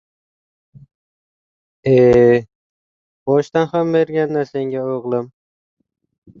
— E-e, boshdan ham bergan-da, senga, o‘g‘lim!